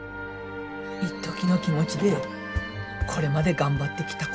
いっときの気持ちでこれまで頑張ってきた